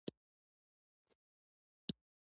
افغانستان کې پکتیکا د هنر په اثار کې منعکس کېږي.